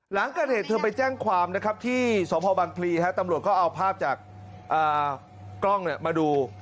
หลังเกิดเหตุเธอไปแจ้งความนะครับที่สพบังพลีตำรวจก็เอาภาพจากกล้องมาดู